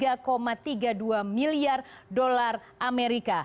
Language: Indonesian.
dan berhasil mengumpulkan dua enam puluh delapan miliar dolar amerika